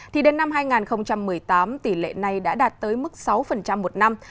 thì đến năm hai nghìn một mươi tám tỷ lệ này đã đạt tới mức sáu một năm